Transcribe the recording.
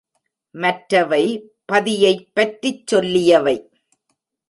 மற்றவை பதியைப் பற்றிச் சொல்லியவை.